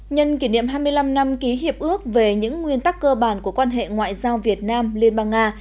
nhân kỷ niệm hai mươi năm năm ký hiệp ước về những nguyên tắc cơ bản của quan hệ ngoại giao việt nam liên bang nga